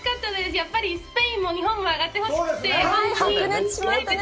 やっぱりスペインも日本も上がってほしくて、白熱しましたね。